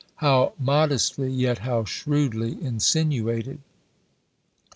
How modestly, yet how shrewdly insinuated!